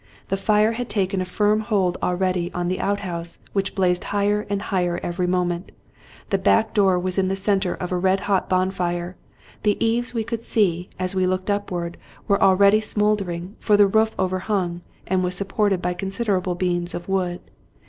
The fire had taken a firm hold already on 'the outhouse, which blazed higher and higher every moment ; the back door was in the center of a red hot bonfire; the eaves we could see, as we looked upward, were already smoldering, for the roof over hung, and was supported by considerable beams of wood.